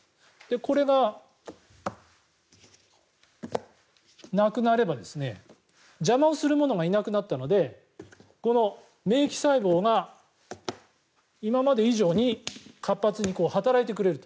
これがなくなれば邪魔をするものがいなくなったので免疫細胞が今まで以上に活発に働いてくれると。